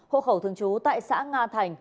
hộ khẩu thường chú tại xã nga thành